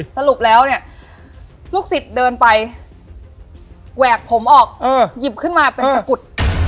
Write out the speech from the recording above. สรุปแล้วเนี่ยลูกศิษย์เดินไปแหวกผมออกหยิบขึ้นมาเป็นตะกุด